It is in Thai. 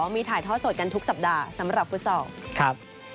มีถ่ายท้อโสดกันทุกสัปดาห์สำหรับผู้สอบ